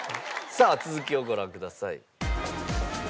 さあ続きをご覧ください。